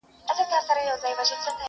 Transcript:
خپلوۍ سوې ختمي غريبۍ خبره ورانه سوله..